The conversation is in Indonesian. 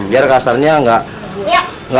biar kasarnya kita bisa memakan ikan